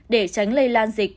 để tránh lây lan dịch